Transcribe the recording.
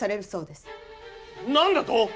何だと！？